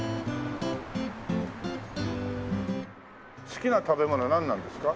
好きな食べ物はなんなんですか？